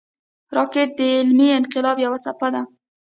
راکټ د علمي انقلاب یوه څپه ده